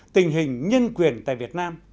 tình hình nhân quyền tại việt nam